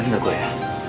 kapan ga gua ya